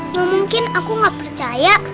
gak mungkin aku nggak percaya